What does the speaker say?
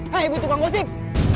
hah ibu tukang gosip